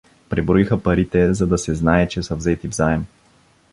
Преброиха парите, за да се знае, че са взети в заем.